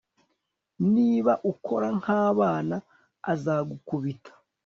niba ukora nk'abana, azagukubita